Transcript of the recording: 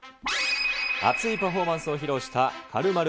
熱いパフォーマンスを披露したかるまる